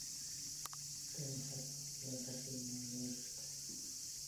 Spain has an embassy in Muscat.